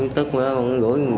đã quyết định